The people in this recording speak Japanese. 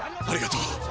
ありがとう！